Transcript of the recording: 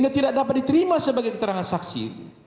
dia tidak dapat diterima sebagai keterangan saksi